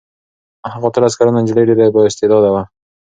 هغه اتلس کلنه نجلۍ ډېره بااستعداده وه.